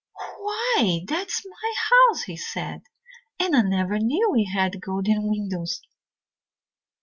'Why, that is my house,' he said, 'and I never knew we had golden windows!'